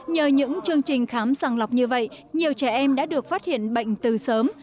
nhờ những chương trình khám sàng lọc như vậy nhiều trẻ em đã được phát hiện bệnh từ sớm